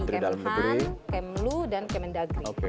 kem tuhan kem lu dan kem endagri